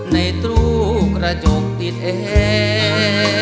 ในตรูกระจกติดเอง